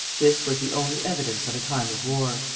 This was the only evidence of a time of war."